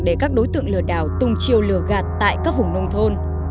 để các đối tượng lừa đảo tung chiêu lừa gạt tại các vùng nông thôn